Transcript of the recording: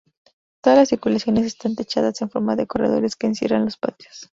Todas las circulaciones están techadas en forma de corredores que encierran los patios.